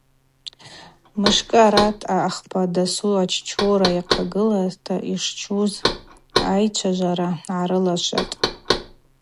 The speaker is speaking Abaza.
Мышкӏы арат ахпа дасу аччора йахъагылата йшчуз айчважвара гӏарылашватӏ.